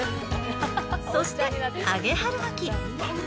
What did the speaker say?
そして、揚げ春巻き！